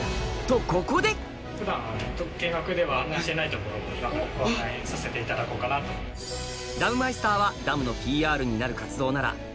とここで今からご案内させていただこうかなと。ということで潜入！